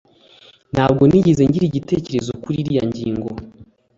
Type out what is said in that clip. Ntabwo nigeze ngira igitekerezo kuriyi ngingo.